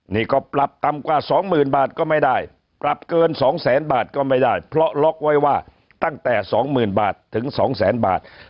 นี่ก็ปรับต่ำกว่า๒๐๐๐บาทก็ไม่ได้ปรับเกิน๒แสนบาทก็ไม่ได้เพราะล็อกไว้ว่าตั้งแต่๒๐๐๐บาทถึง๒แสนบาท